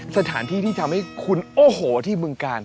สถานที่ที่ทำให้คุณโอ้โหที่บึงกาล